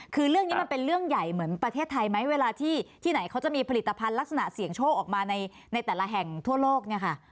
คือเรื่องนี้มันเป็นเรื่องใหญ่เหมือนประเทศไทยไหมเวลาที่ไหนเขาจะมีผลิตภัณฑ์ลักษณะเสี่ยงโชคออกมาในแต่ละแห่งทั่วโลกเนี่ยค่ะ